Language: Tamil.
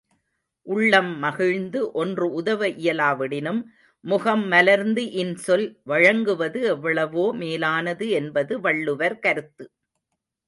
உள்ளம் மகிழ்ந்து ஒன்று உதவ இயலாவிடினும், முகம் மலர்ந்து இன்சொல் வழங்குவது எவ்வளவோ மேலானது என்பது வள்ளுவர் கருத்து.